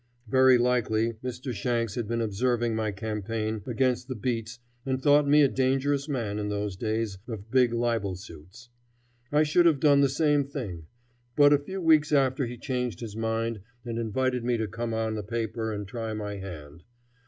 Very likely Mr. Shanks had been observing my campaign against the beats and thought me a dangerous man in those days of big libel suits. I should have done the same thing. But a few weeks after he changed his mind and invited me to come on the paper and try my hand.